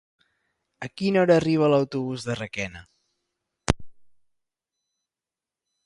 A quina hora arriba l'autobús de Requena?